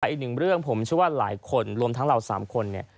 อีกหนึ่งเรื่องผมเชื่อว่าหลายคนรวมทั้งเรา๓คนเนี่ย